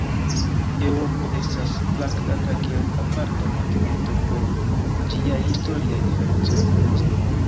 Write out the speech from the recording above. Eŭropo estas traktata kiel aparta kontinento pro ĝiaj historiaj diferencoj kun Azio.